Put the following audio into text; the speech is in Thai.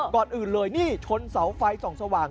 ก่อนอื่นเลยนี่ชนเสาไฟส่องสว่าง